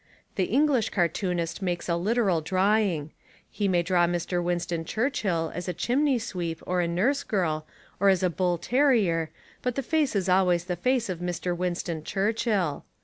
The English cartoonist 130 American Humour makes a literal drawing. He may draw Mr. Winston Churchill as a chimney sweep or a nurse girl or as a bull terrier but the face is always the face of Mr. Winston Churchill.